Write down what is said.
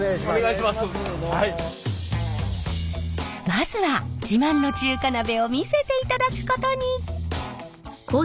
まずは自慢の中華鍋を見せていただくことに。